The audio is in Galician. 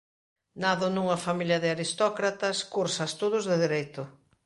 Nado nunha familia de aristócratas cursa estudos de dereito.